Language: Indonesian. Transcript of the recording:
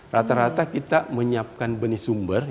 rata rata kita menyiapkan benih sumber